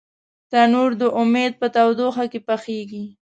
تنور د امیدو په تودوخه کې پخېږي